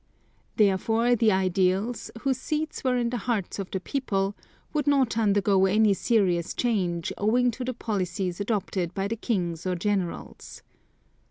Therefore the ideals, whose seats were in the hearts of the people, would not undergo any serious change owing to the policies adopted by the kings or generals.